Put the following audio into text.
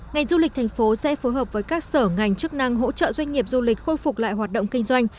ngành du lịch thành phố sẽ phối hợp với các sở ngành chức năng hỗ trợ doanh nghiệp du lịch khôi phục lại hoạt động kinh doanh